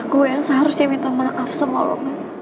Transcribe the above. gue yang seharusnya minta maaf sama lo